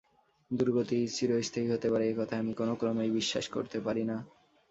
দুর্গতি চিরস্থায়ী হতে পারে এ কথা আমি কোনোক্রমেই বিশ্বাস করতে পারি নে।